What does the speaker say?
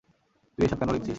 তুই এসব কেনো লিখছিস?